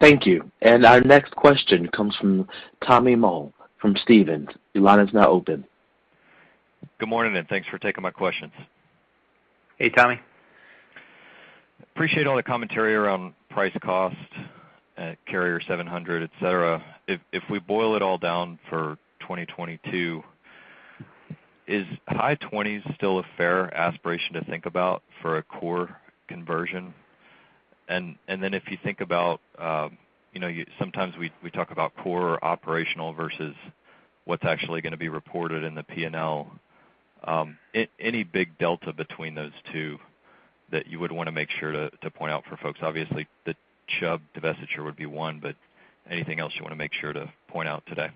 Thank you. Our next question comes from Tommy Moll from Stephens. Your line is now open. Good morning, and thanks for taking my questions. Hey, Tommy. Appreciate all the commentary around price cost, Carrier 700, et cetera. If we boil it all down for 2022, is high 20s still a fair aspiration to think about for a core conversion? If you think about, you know, sometimes we talk about core operational versus what's actually gonna be reported in the P&L. Any big delta between those two that you would wanna make sure to point out for folks? Obviously, the Chubb divestiture would be one, but anything else you wanna make sure to point out today?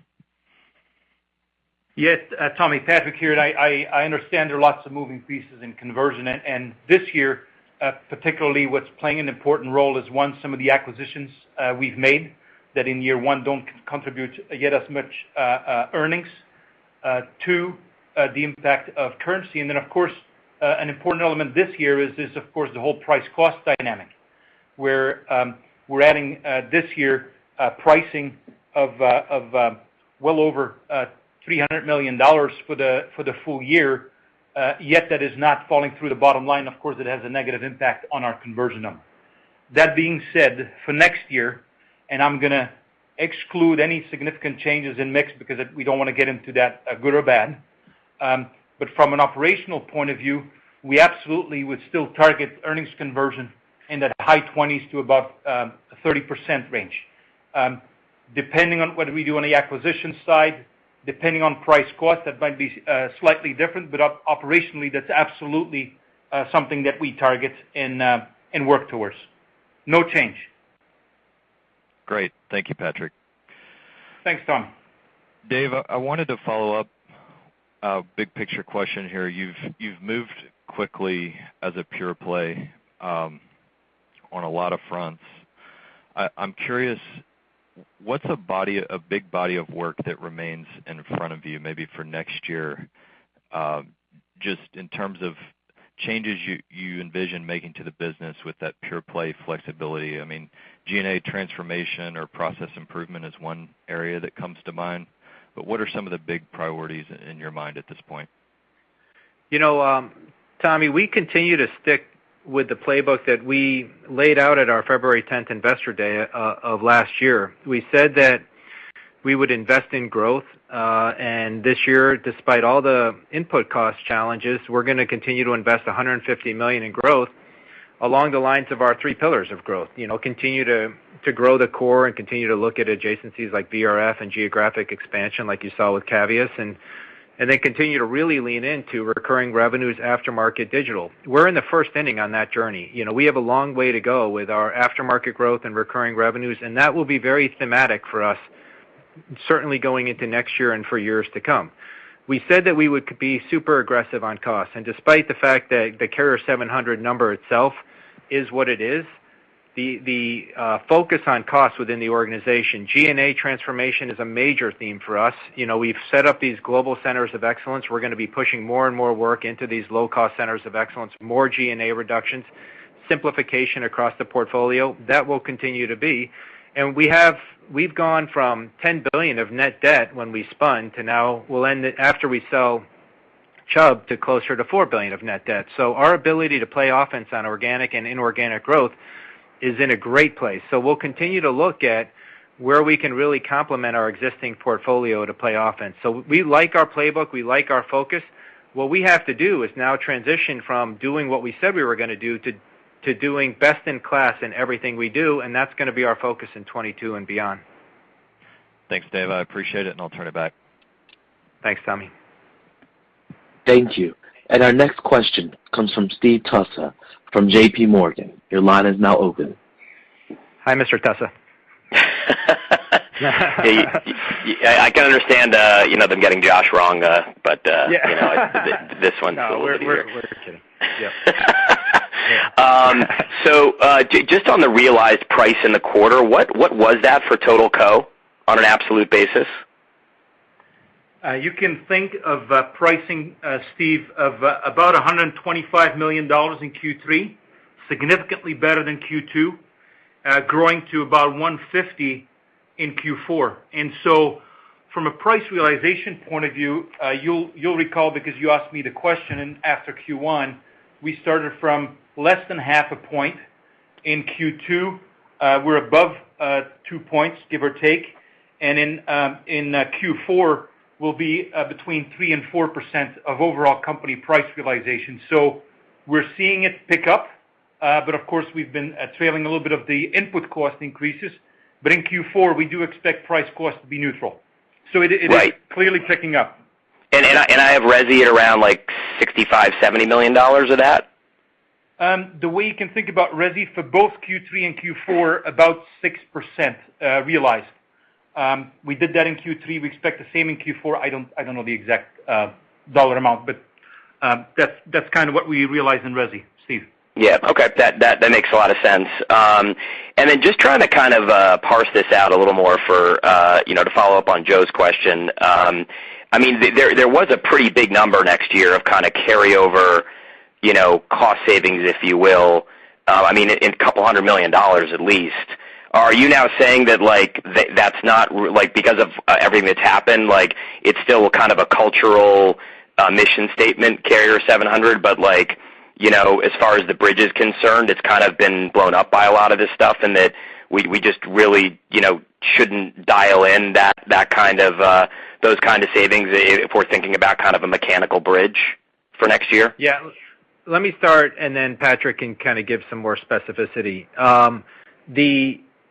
Yes. Tommy, Patrick here. I understand there are lots of moving pieces in conversion. This year, particularly what's playing an important role is, one, some of the acquisitions we've made that in year one don't contribute yet as much earnings. Two, the impact of currency. Then, of course, an important element this year is of course the whole price-cost dynamic, where we're adding this year pricing of well over $300 million for the full year, yet that is not falling through the bottom line. Of course, it has a negative impact on our conversion number. That being said, for next year, I'm gonna exclude any significant changes in mix because we don't wanna get into that, good or bad. From an operational point of view, we absolutely would still target earnings conversion in that high 20s to about 30% range. Depending on whether we do any acquisition side, depending on price cost, that might be slightly different. Operationally, that's absolutely something that we target and work towards. No change. Great. Thank you, Patrick. Thanks, Tom. Dave, I wanted to follow up. A big picture question here. You've moved quickly as a pure play on a lot of fronts. I'm curious, what's a big body of work that remains in front of you maybe for next year, just in terms of changes you envision making to the business with that pure play flexibility? I mean, G&A transformation or process improvement is one area that comes to mind, but what are some of the big priorities in your mind at this point? You know, Tommy, we continue to stick with the playbook that we laid out at our February tenth investor day of last year. We said that we would invest in growth, and this year, despite all the input cost challenges, we're gonna continue to invest $150 million in growth along the lines of our three pillars of growth. You know, continue to grow the core and continue to look at adjacencies like VRF and geographic expansion like you saw with Cavius, and then continue to really lean into recurring revenues aftermarket digital. We're in the first inning on that journey. You know, we have a long way to go with our aftermarket growth and recurring revenues, and that will be very thematic for us, certainly going into next year and for years to come. We said that we would be super aggressive on cost. Despite the fact that the Carrier 700 number itself is what it is, the focus on cost within the organization, G&A transformation is a major theme for us. You know, we've set up these global centers of excellence. We're gonna be pushing more and more work into these low-cost centers of excellence, more G&A reductions, simplification across the portfolio. That will continue to be. We've gone from $10 billion of net debt when we spun to now we'll end it after we sell Chubb to closer to $4 billion of net debt. Our ability to play offense on organic and inorganic growth is in a great place. We'll continue to look at where we can really complement our existing portfolio to play offense. We like our playbook, we like our focus. What we have to do is now transition from doing what we said we were gonna do to doing best in class in everything we do, and that's gonna be our focus in 2022 and beyond. Thanks, Dave. I appreciate it, and I'll turn it back. Thanks, Tommy. Thank you. Our next question comes from Steve Tusa from JP Morgan. Your line is now open. Hi, Mr. Tusa. Hey, I can understand, you know, them getting Josh wrong, but Yeah. You know, this one's a little weird. No, we're kidding. Yeah. Just on the realized price in the quarter, what was that for total core on an absolute basis? You can think of pricing, Steve, of about $125 million in Q3, significantly better than Q2, growing to about $150 million in Q4. From a price realization point of view, you'll recall because you asked me the question and after Q1, we started from less than half a point. In Q2, we're above 2 points, give or take. In Q4, we'll be between 3%-4% of overall company price realization. We're seeing it pick up. Of course, we've been trailing a little bit of the input cost increases. In Q4, we do expect price cost to be neutral. It is- Right. -clearly picking up. I have resi at around, like, $65 million-$70 million of that? The way you can think about resi for both Q3 and Q4, about 6% realized. We did that in Q3. We expect the same in Q4. I don't know the exact dollar amount, but that's kinda what we realize in resi, Steve. Yeah. Okay. That makes a lot of sense. Then just trying to kind of parse this out a little more for you know, to follow up on Joe's question. I mean, there was a pretty big number next year of kinda carryover you know, cost savings, if you will. I mean, a couple hundred million dollars at least. Are you now saying that like, that's not like, because of everything that's happened, like, it's still kind of a cultural mission statement Carrier 700, but like, you know, as far as the bridge is concerned, it's kind of been blown up by a lot of this stuff, and that we just really you know, shouldn't dial in that kind of savings if we're thinking about kind of a mechanical bridge for next year? Let me start, and then Patrick can kind of give some more specificity.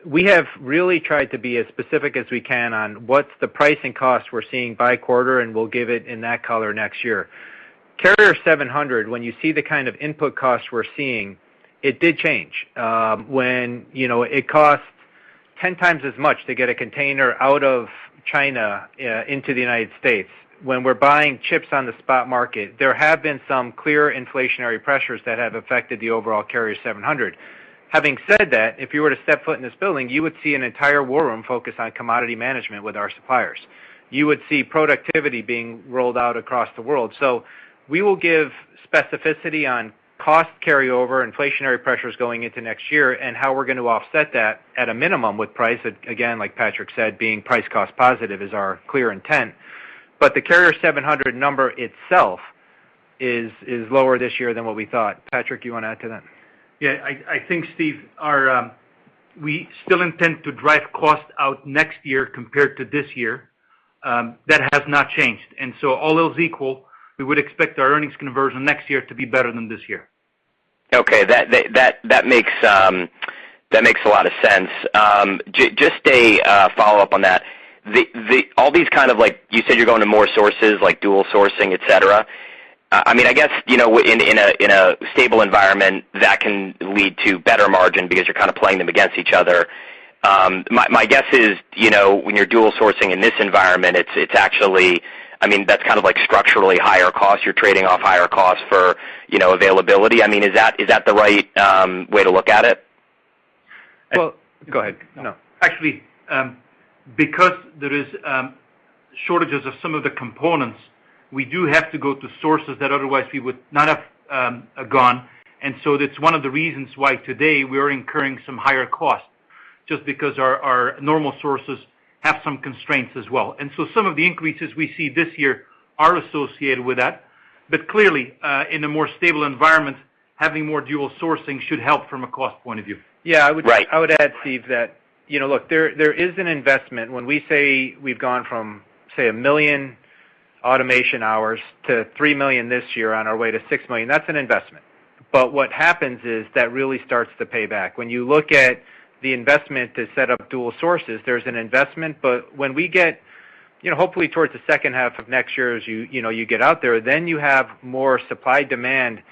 We have really tried to be as specific as we can on what's the pricing cost we're seeing by quarter, and we'll give it in that color next year. Carrier 700, when you see the kind of input costs we're seeing, it did change. When, you know, it costs 10 times as much to get a container out of China into the United States. When we're buying chips on the spot market, there have been some clear inflationary pressures that have affected the overall Carrier 700. Having said that, if you were to step foot in this building, you would see an entire war room focused on commodity management with our suppliers. You would see productivity being rolled out across the world. We will give specificity on cost carryover, inflationary pressures going into next year and how we're gonna offset that at a minimum with price. Again, like Patrick said, being price cost positive is our clear intent. But the Carrier 700 number itself is lower this year than what we thought. Patrick, you wanna add to that? Yeah. I think, Steve, our. We still intend to drive costs out next year compared to this year. That has not changed. All else equal, we would expect our earnings conversion next year to be better than this year. Okay. That makes a lot of sense. Just a follow-up on that. All these kind of like you said, you're going to more sources like dual sourcing, et cetera. I mean, I guess, you know, in a stable environment, that can lead to better margin because you're kind of playing them against each other. My guess is, you know, when you're dual sourcing in this environment, it's actually I mean, that's kind of like structurally higher costs. You're trading off higher costs for, you know, availability. I mean, is that the right way to look at it? Actually, because there is shortages of some of the components, we do have to go to sources that otherwise we would not have gone. That's one of the reasons why today we are incurring some higher costs, just because our normal sources have some constraints as well. Some of the increases we see this year are associated with that. Clearly, in a more stable environment, having more dual sourcing should help from a cost point of view. Right. Yeah. I would add, Steve, that, you know, look, there is an investment. When we say we've gone from, say, 1 million automation hours to 3 million this year on our way to 6 million, that's an investment. What happens is that really starts to pay back. When you look at the investment to set up dual sources, there's an investment. When we get, you know, hopefully towards the second half of next year as you know, you get out there, then you have more supply demand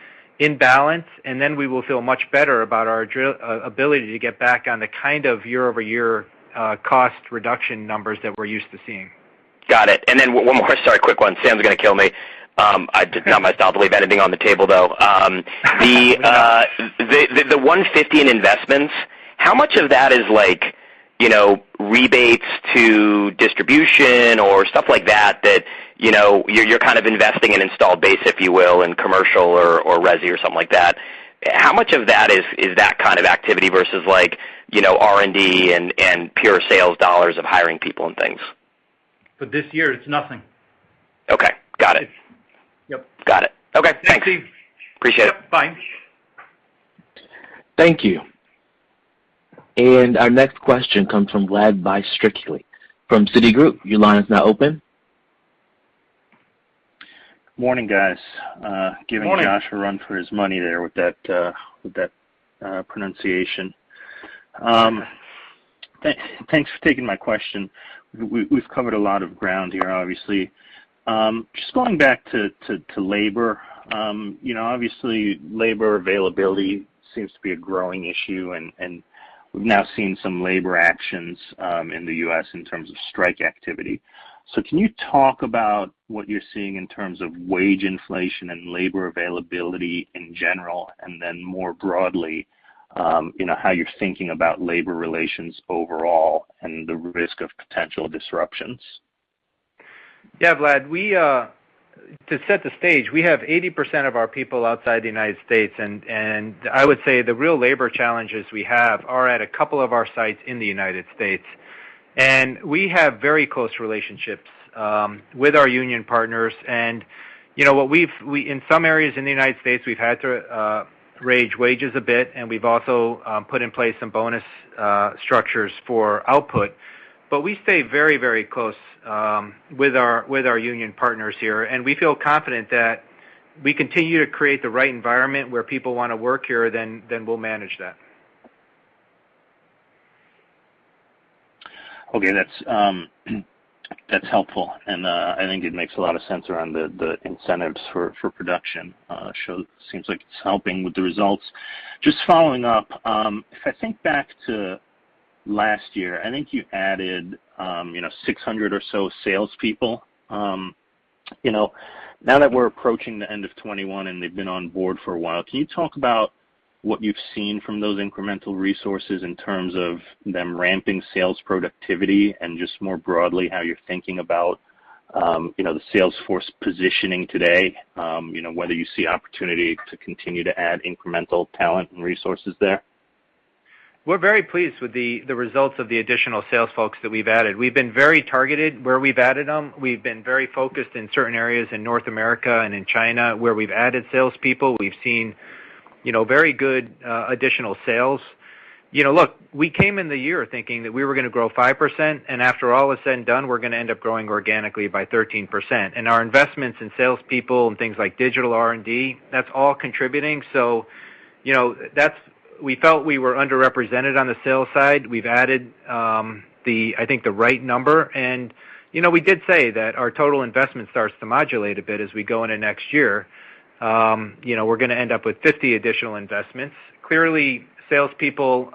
in balance, and then we will feel much better about our ability to get back on the kind of year-over-year, cost reduction numbers that we're used to seeing. Got it. One more. Sorry, quick one. Sam's gonna kill me. I did not myself leave anything on the table, though. The $150 in investments, how much of that is like, you know, rebates to distribution or stuff like that, you know, you're kind of investing in installed base, if you will, in commercial or resi or something like that. How much of that is that kind of activity versus like, you know, R&D and pure sales dollars of hiring people and things? For this year, it's nothing. Okay. Got it. Yep. Got it. Okay. Thanks. Yeah, Steve. Appreciate it. Yep. Bye. Thank you. Our next question comes from Vlad Bystricky from Citigroup. Your line is now open. Morning, guys. Morning. Giving Josh a run for his money there with that pronunciation. Thanks for taking my question. We've covered a lot of ground here, obviously. Just going back to labor, you know, obviously labor availability seems to be a growing issue, and we've now seen some labor actions in the U.S. in terms of strike activity. Can you talk about what you're seeing in terms of wage inflation and labor availability in general, and then more broadly, you know, how you're thinking about labor relations overall and the risk of potential disruptions? Yeah, Vlad. We, to set the stage, we have 80% of our people outside the United States. I would say the real labor challenges we have are at a couple of our sites in the United States. We have very close relationships with our union partners. You know what, in some areas in the United States, we've had to raise wages a bit, and we've also put in place some bonus structures for output. We stay very, very close with our union partners here. We feel confident that we continue to create the right environment where people wanna work here, then we'll manage that. Okay. That's helpful. I think it makes a lot of sense around the incentives for production. Seems like it's helping with the results. Just following up, if I think back to last year, I think you added, you know, 600 or so salespeople. You know, now that we're approaching the end of 2021 and they've been on board for a while, can you talk about what you've seen from those incremental resources in terms of them ramping sales productivity and just more broadly, how you're thinking about, you know, the sales force positioning today, you know, whether you see opportunity to continue to add incremental talent and resources there? We're very pleased with the results of the additional sales folks that we've added. We've been very targeted where we've added them. We've been very focused in certain areas in North America and in China where we've added salespeople. We've seen, you know, very good additional sales. You know, look, we came in the year thinking that we were gonna grow 5%, and after all is said and done, we're gonna end up growing organically by 13%. Our investments in salespeople and things like digital R&D, that's all contributing. You know, that's. We felt we were underrepresented on the sales side. We've added the right number. You know, we did say that our total investment starts to modulate a bit as we go into next year. You know, we're gonna end up with 50 additional investments. Clearly, salespeople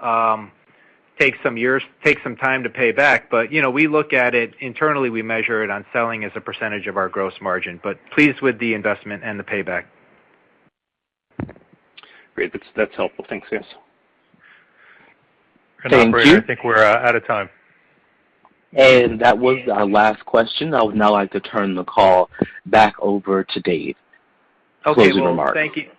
take some time to pay back, but, you know, we look at it internally, we measure it on selling as a percentage of our gross margin, but pleased with the investment and the payback. Great. That's helpful. Thanks, guys. Thank you. Operator, I think we're out of time. That was our last question. I would now like to turn the call back over to Dave for closing remarks. Well, thank you.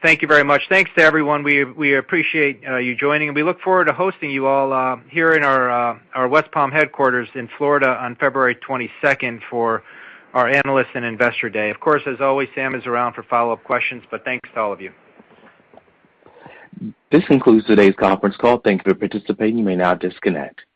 Thank you very much. Thanks to everyone. We appreciate you joining, and we look forward to hosting you all here in our West Palm headquarters in Florida on February twenty-second for our Analyst and Investor Day. Of course, as always, Sam is around for follow-up questions, but thanks to all of you. This concludes today's conference call. Thank you for participating. You may now disconnect.